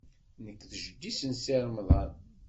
Nekk d jeddi-s n Si Remḍan.